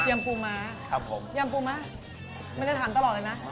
ยำปูม้ายำปูม้ามันจะถามตลอดเลยนะ